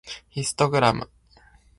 ヒストグラム